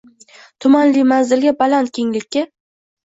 Tumanli manzilga, baland kenglikka.